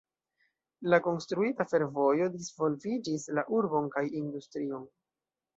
La konstruita fervojo disvolviĝis la urbon kaj industrion.